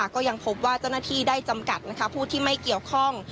ก็ยังพบว่าเจ้าหน้าที่ได้จำกัดผู้ที่ไม่เกี่ยวข้อง